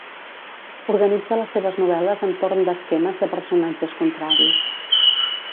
Organitza les seves novel·les entorn d'esquemes de personatges contraris.